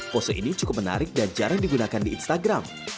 pose ini cukup menarik dan jarang digunakan di instagram